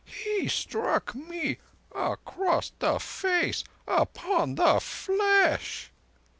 He struck me across the face ... upon the flesh